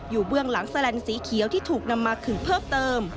เบื้องหลังแลนดสีเขียวที่ถูกนำมาขึงเพิ่มเติม